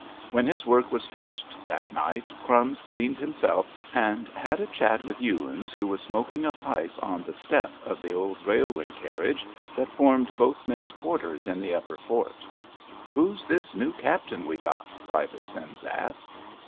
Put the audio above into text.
When his work was finished that night "Crumbs" cleaned himself and had a chat with Ewins, who was smoking a pipe on the step of the old railway carriage that formed both men's quarters in the upper fort. "Who's this new captain we got?" Private Sims asked.